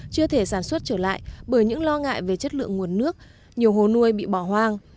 chưa thể sản xuất trở lại bởi những lo ngại về chất lượng nguồn nước nhiều hồ nuôi bị bỏ hoang